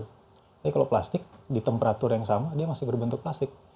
tapi kalau plastik di temperatur yang sama dia masih berbentuk plastik